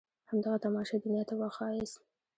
همدغه تماشه دنيا ته وښاياست.